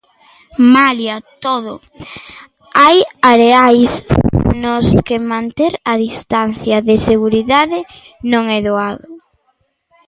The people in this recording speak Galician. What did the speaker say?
Malia todo, hai areais nos que manter a distancia de seguridade non é doado.